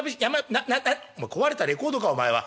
「お前壊れたレコードかお前は」。